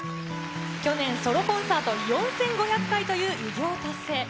去年、ソロコンサート４５００回という偉業を達成。